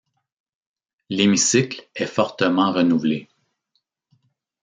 L'hémicycle est fortement renouvelé.